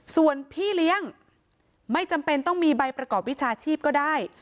ส่วนพี่เลี้ยงไม่จำเป็นต้องมีใบประกอบวิชาชีพก็ได้